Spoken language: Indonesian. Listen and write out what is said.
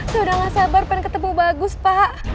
saya udah gak sabar pengen ketemu bagus pak